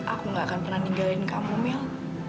aku gak akan pernah ninggalin kamu mil